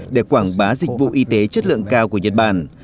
để quảng bá dịch vụ y tế chất lượng cao của nhật bản